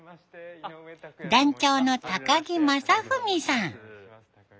団長の木雅史さん。